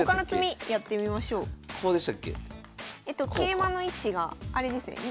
えっと桂馬の位置があれですね。